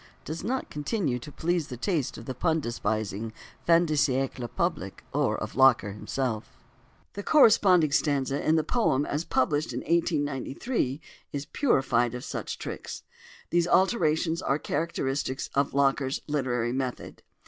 does not continue to please the taste of the pun despising fin de siècle public or of Locker himself: the corresponding stanza in the poem as published in 1893 is purified of such tricks. These alterations are characteristic of Locker's literary method.